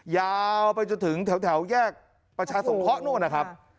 ยาวไปจนถึงแถวแยกประชาสงเคราะห์นู่นนะครับ